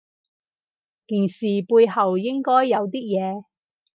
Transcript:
件事背後應該有啲嘢